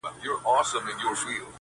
خیر دی قبر ته دي هم په یوه حال نه راځي,